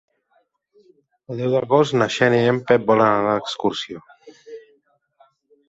El deu d'agost na Xènia i en Pep volen anar d'excursió.